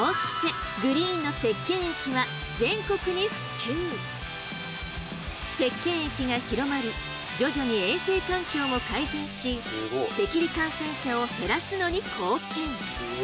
こうして石けん液が広まり徐々に衛生環境も改善し赤痢感染者を減らすのに貢献！